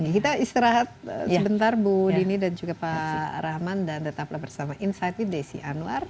kita istirahat sebentar bu dini dan juga pak rahman dan tetaplah bersama insight with desi anwar